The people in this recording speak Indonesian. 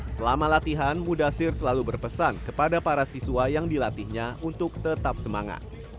selama latihan mudasir selalu berpesan kepada para siswa yang dilatihnya untuk tetap semangat